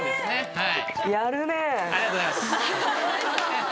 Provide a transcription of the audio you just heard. はい。